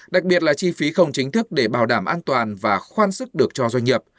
đặc biệt là chi phí không chính thức để bảo đảm an toàn và khoan sức được cho doanh nghiệp